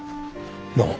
どうも。